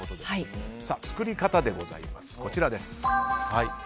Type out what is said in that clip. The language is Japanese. さあ、作り方でございます。